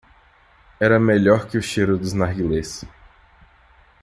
Era melhor que o cheiro dos narguilés.